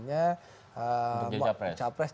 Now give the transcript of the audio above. untuk menjaga pres